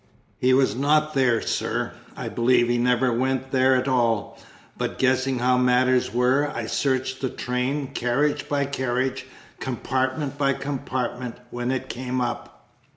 He was not there, sir, I believe he never went there at all; but, guessing how matters were, I searched the train, carriage by carriage, compartment by compartment, when it came up."